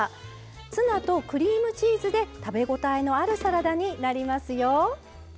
ツナとクリームチーズで食べ応えのあるサラダになりますよ。